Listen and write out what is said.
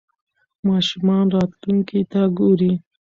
ماشومان راتلونکې ته ګوري.